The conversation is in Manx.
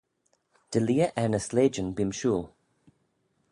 Dy leah er ny sleityn bee'm shooyl.